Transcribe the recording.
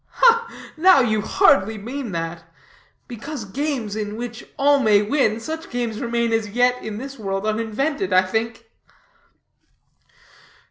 "Now, you hardly mean that; because games in which all may win, such games remain as yet in this world uninvented, I think."